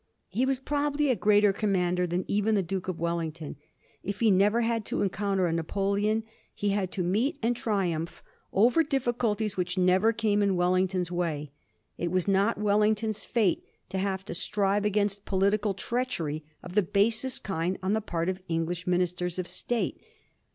He was pro bably a greater commander than even the Duke of Wellington. If he never had to encounter a Napo leon, he had to meet and triumph over difficulties which never came in Wellington's way. It was not Wellington's fate to have to strive against political treachery of the basest kind on the part of English Ministers of State.